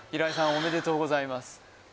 おめでとうございます